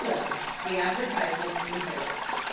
THE ADVERTISEMENT IN THE HERALD.